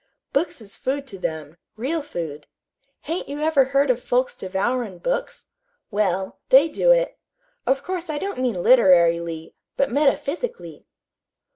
Books is food to them real food. Hain't you ever heard of folks devourin' books? Well, they do it. Of course I don't mean literaryly, but metaphysically."